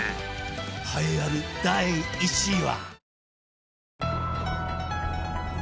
栄えある第１位は